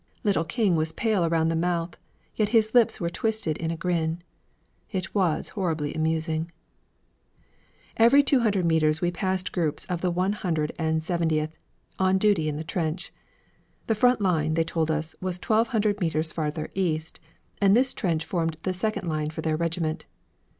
Little King was pale around the mouth, yet his lips were twisted in a grin. It was horribly amusing. Every 200 metres we passed groups of the One Hundred and Seventieth, on duty in the trench. The front line, they told us, was twelve hundred metres farther east, and this trench formed the second line for their regiment.